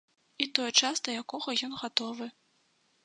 І той час, да якога ён гатовы.